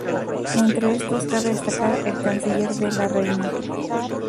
Entre estos, cabe destacar el Canciller de la Reina.